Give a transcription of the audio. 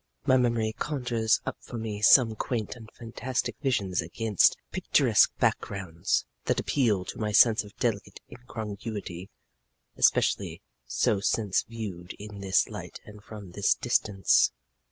My memory conjures up for me some quaint and fantastic visions against picturesque backgrounds that appeal to my sense of delicate incongruity, especially so since viewed in this light and from this distance."